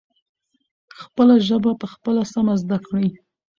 خپله ژبه پخپله سمه زدکړئ.